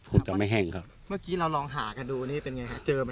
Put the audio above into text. คุณจะไม่แห้งครับเมื่อกี้เราลองหากันดูนี่เป็นไงครับ